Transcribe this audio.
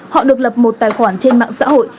họ được lập một tài khoản trên mạng xã hội